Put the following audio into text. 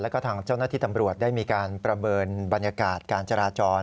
แล้วก็ทางเจ้าหน้าที่ตำรวจได้มีการประเมินบรรยากาศการจราจร